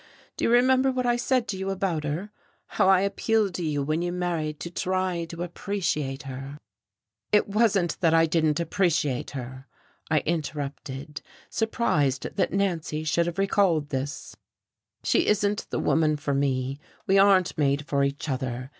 Do you remember what I said to you about her? How I appealed to you when you married to try to appreciate her?" "It wasn't that I didn't appreciate her," I interrupted, surprised that Nancy should have recalled this, "she isn't the woman for me, we aren't made for each other.